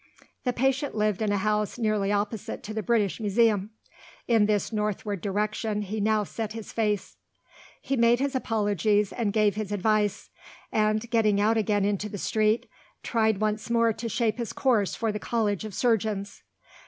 The patient lived in a house nearly opposite to the British Museum. In this northward direction he now set his face. He made his apologies, and gave his advice and, getting out again into the street, tried once more to shape his course for the College of Surgeons.